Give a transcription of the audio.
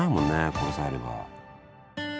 これさえあれば。